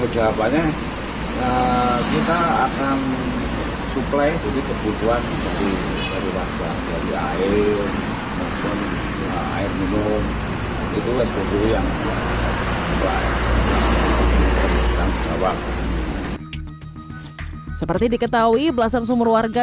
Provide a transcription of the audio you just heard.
jawabannya kita akan suplai kebutuhan dari warga